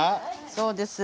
そうです。